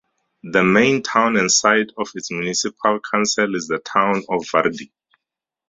The main town and site of its municipal council is the town of Varde.